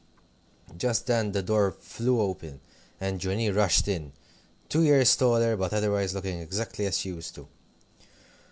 Just then the door flew open, and Johnnie rushed in, two years taller, but otherwise looking exactly as she used to do.